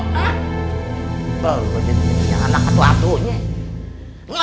belu jadi pahlawan